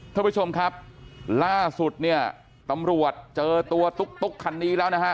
ท่านผู้ชมครับล่าสุดเนี่ยตำรวจเจอตัวตุ๊กคันนี้แล้วนะฮะ